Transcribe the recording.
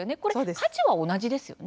価値は同じですよね？